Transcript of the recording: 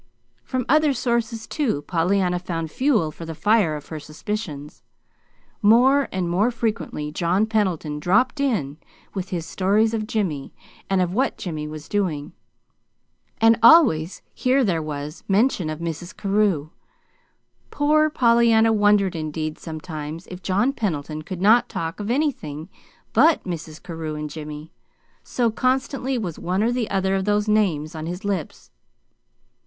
From other sources, too, Pollyanna found fuel for the fire of her suspicions. More and more frequently John Pendleton "dropped in" with his stories of Jimmy, and of what Jimmy was doing; and always here there was mention of Mrs. Carew. Poor Pollyanna wondered, indeed, sometimes, if John Pendleton could not talk of anything but Mrs. Carew and Jimmy, so constantly was one or the other of those names on his lips.